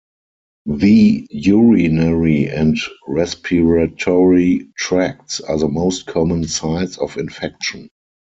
The urinary and respiratory tracts are the most common sites of infection.